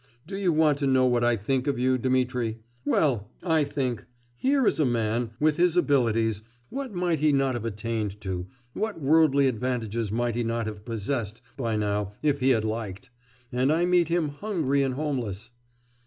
Do you want to know what I think of you, Dmitri? Well! I think: here is a man with his abilities, what might he not have attained to, what worldly advantages might he not have possessed by now, if he had liked!... and I meet him hungry and homeless....